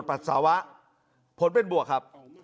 พระอยู่ที่ตะบนมไพรครับ